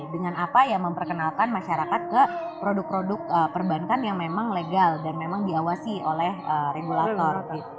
dengan apa ya memperkenalkan masyarakat ke produk produk perbankan yang memang legal dan memang diawasi oleh regulator